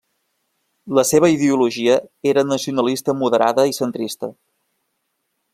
La seva ideologia era nacionalista moderada i centrista.